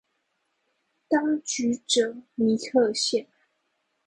當局者迷克夏